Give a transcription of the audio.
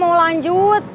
aku mau lanjut